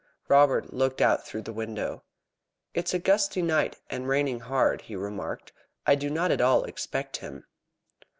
Robert looked out through the window. "It is a gusty night, and raining hard," he remarked. "I do not at all expect him."